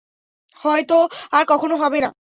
হয়তো আর কখনো হবে না।